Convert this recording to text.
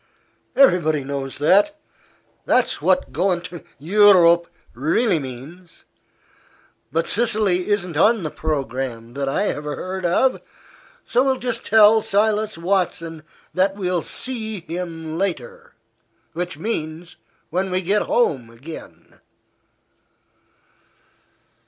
Everybody knows that. That's what goin' to Eu rope really means. But Sicily isn't on the programme, that I ever heard of. So we'll just tell Silas Watson that we'll see him later which means when we get home again."